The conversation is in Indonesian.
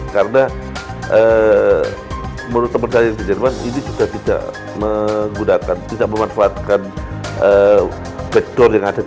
karena menurut teman saya yang di jerman ini sudah tidak menggunakan tidak memanfaatkan backdoor yang ada